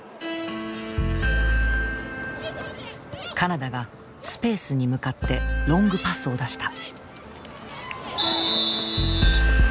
カナダがスペースに向かってロングパスを出した。